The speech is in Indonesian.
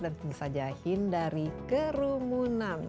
dan bisa jahin dari kerumunan